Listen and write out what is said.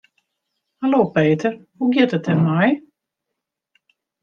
Hallo Peter, hoe giet it der mei?